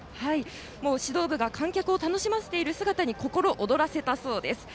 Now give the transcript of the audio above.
指導部が観客を楽しませている姿に心躍らせたそうです。